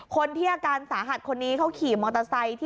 คนที่อาการสาหัสคนนี้เขาขี่มอเตอร์ไซค์ที่